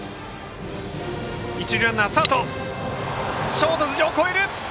ショートの頭上を越えた！